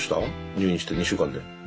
入院して２週間で。